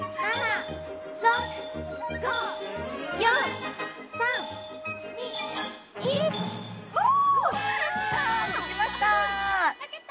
できました。